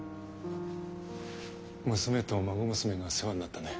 娘と孫娘が世話になったね。